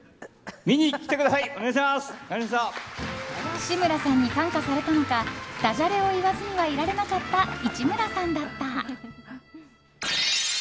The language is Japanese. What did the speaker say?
志村さんに感化されたのかダジャレを言わずにはいられなかった市村さんだった。